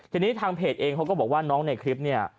ทีนี้ทางเพจเองเขาก็บอกว่าน้องในคลิปเนี่ย